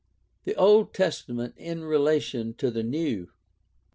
The Old Testament in relation to the New.